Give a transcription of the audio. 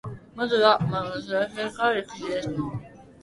まず前襟、左組にかわったレシキです。